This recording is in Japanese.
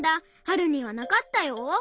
はるにはなかったよ。